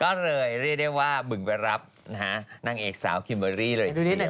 ก็เลยเรียกได้ว่าบึงไปรับนางเอกสาวครีมเบอรี่เลยทีเดียว